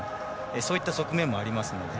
そういった側面もありますので。